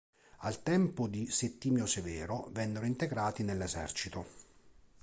Al tempo di Settimio Severo vennero integrati nell'esercito.